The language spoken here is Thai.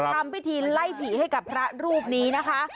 ทำพิธีไล่ผีให้กับพระรูปนี้นะคะ